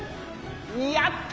やった！